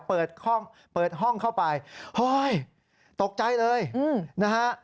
เปิดห้องเข้าไปโฮยตกใจเลยนะฮะ